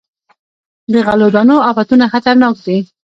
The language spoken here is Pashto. د غلو دانو افتونه خطرناک دي.